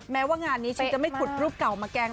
แม้ว่างานนี้ฉันจะไม่ขุดรูปเก่ามาแกล้ง